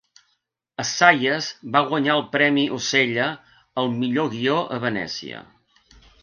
Assayas va guanyar el premi Osella al millor guió a Venècia.